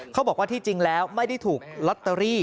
เขาบอกว่าที่จริงแล้วไม่ได้ถูกลอตเตอรี่